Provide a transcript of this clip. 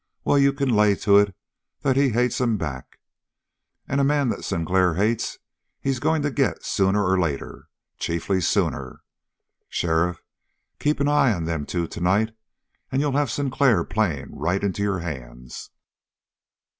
Well, you can lay to it that he hates 'em back. And a man that Sinclair hates he's going to get sooner or later chiefly sooner. Sheriff, keep an eye on them two tonight, and you'll have Sinclair playing right into your hands!"